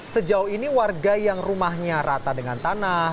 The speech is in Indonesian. sejauh ini warga yang rumahnya rata dengan tanah